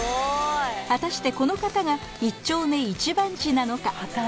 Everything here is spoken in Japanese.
果たしてこの方が一丁目一番地なのか？